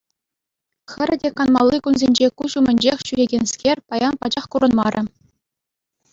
Хӗрӗ те канмалли кунсенче куҫ умӗнчех ҫӳрекенскер паян пачах курӑнмарӗ.